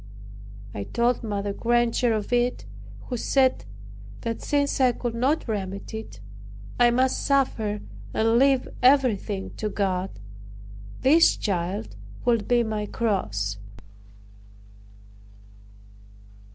I told Mother Granger of it, who said that since I could not remedy it, I must suffer and leave everything to God. This child would be my cross.